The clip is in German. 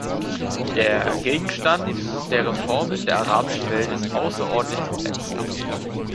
Der Gegenstand der Reform in der arabischen Welt ist außerordentlich komplex.